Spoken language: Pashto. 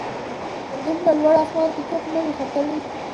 دومره لوړ اسمان ته څوک نه وه ختلي